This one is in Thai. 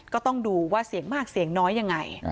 ก็ต้องดูว่าเสียงมากเสียงน้อยยังไง